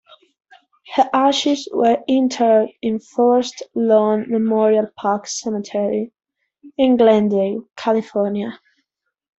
Her ashes were interred in Forest Lawn Memorial Park Cemetery in Glendale, California.